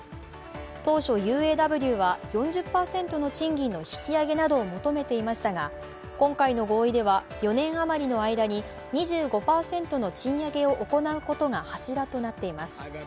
当初、ＵＡＷは４０％の賃金の引き上げなどを求めていましたが今回の合意では４年あまりの間に２５％の賃上げを行うことが柱となっています。